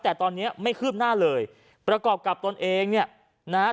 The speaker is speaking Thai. แต่ตอนเนี้ยไม่คืบหน้าเลยประกอบกับตนเองเนี่ยนะฮะ